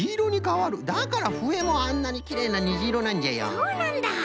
そうなんだ！